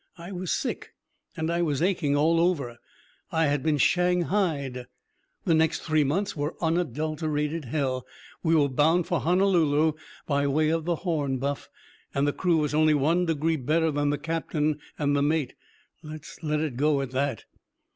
I was sick. And I was aching all over. I had been shanghaied. The next three months were unadulterated hell. We were bound for Honolulu by way of the Horn, Buff. And the crew was only one degree better than the captain and the mate. Let's let it go at that.